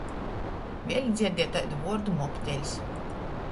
Vēļ dzierdieju taidu vuordu mobteļs.